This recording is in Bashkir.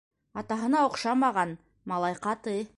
Атаһына оҡшамаған - малай ҡаты.